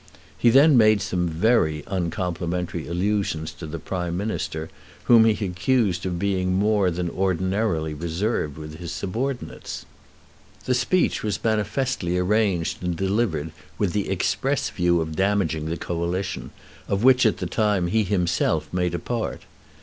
He then made some very uncomplimentary allusions to the Prime Minister, whom he accused of being more than ordinarily reserved with his subordinates. The speech was manifestly arranged and delivered with the express view of damaging the Coalition, of which at the time he himself made a part.